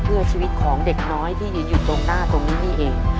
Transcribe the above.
เพื่อชีวิตของเด็กน้อยที่ยืนอยู่ตรงหน้าตรงนี้นี่เอง